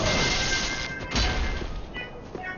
که پاملرنه وي تېروتنې کمیږي.